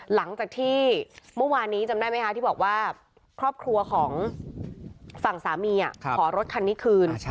หลังจากที่เมื่อวานนี้จำได้ไหมคะที่บอกว่าครอบครัวของฝั่งสามีขอรถคันนี้คืน